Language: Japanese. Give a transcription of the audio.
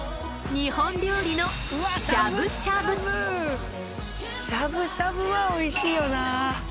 日本料理のしゃぶしゃぶはおいしいよなぁ。